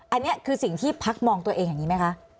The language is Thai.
อันนี้คือสิ่งที่พักมองตัวเองอย่างนี้ไหมคะ